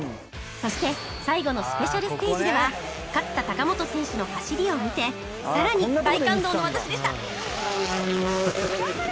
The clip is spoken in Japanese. そして最後のスペシャルステージでは勝田貴元選手の走りを見てさらに大感動の私でした！